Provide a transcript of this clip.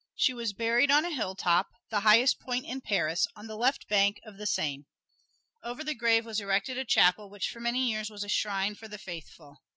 She was buried on a hilltop, the highest point in Paris, on the left bank of the Seine. Over the grave was erected a chapel which for many years was a shrine for the faithful.